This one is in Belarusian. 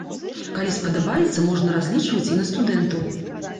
Калі спадабаецца, можна разлічваць і на студэнтаў.